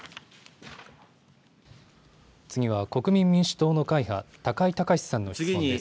次は国民民主党の会派、高井崇志さんの質問です。